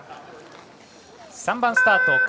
３番スタート